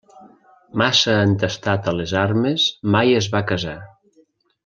Massa entestat a les armes mai es va casar.